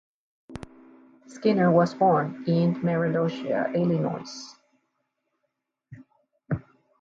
Skinner was born in Meredosia, Illinois.